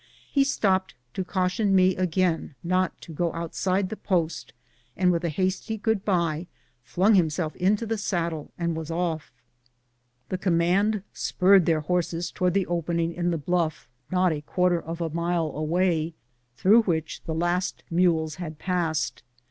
He stopped to caution me again not to go outside the post, and with a hasty good bye flung himself into the saddle and was off. The command spurred their horses towards the opening in the bluff, not a quarter of a mile away, through which the last mules had passed.